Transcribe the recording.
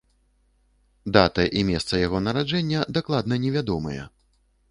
Дата і месца яго нараджэння дакладна невядомыя.